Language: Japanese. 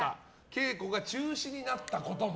稽古が中止になったことも。